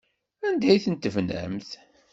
Anda ay ten-tebnamt?